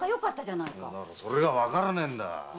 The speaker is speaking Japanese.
それがわからねえんだ。